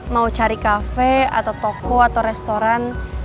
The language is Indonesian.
mau cari kafe atau toko atau restoran